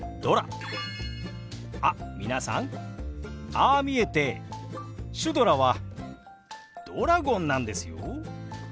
あっ皆さんああ見えてシュドラはドラゴンなんですよ。